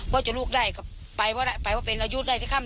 ว่าจะลูกได้ก็ไปว่าเป็นแล้วยุทธ์ได้ที่ข้ำ